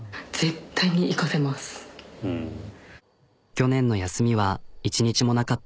去年の休みは１日もなかった。